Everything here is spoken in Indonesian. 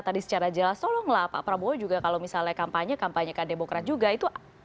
tadi secara jelas tolonglah pak prabowo juga kalau misalnya kampanye kampanye ke demokrat juga itu